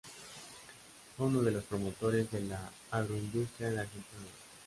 Fue uno de los promotores de la agroindustria en Argentina.